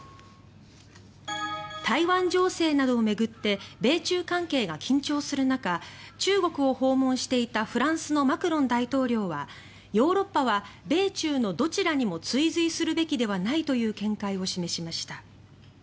台湾情勢などを巡って米中関係が緊張する中中国を訪問していたフランスのマクロン大統領はヨーロッパは米中のどちらにも追随するべきではないという見解を示しました。